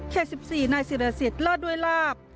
เขตสิบสี่ในสิราเสียร์ลาดด้วยลาบ